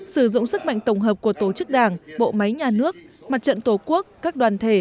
sử dụng sức mạnh tổng hợp của tổ chức đảng bộ máy nhà nước mặt trận tổ quốc các đoàn thể